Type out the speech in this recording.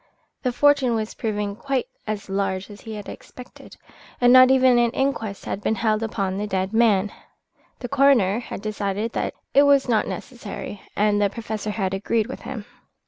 The fortune was proving quite as large as he had expected, and not even an inquest had been held upon the dead man. The coroner had decided that it was not necessary, and the Professor had agreed with him.